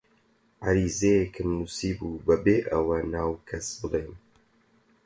عەریزەیەکم نووسیبوو بەبێ ئەوە ناو کەس بڵێم: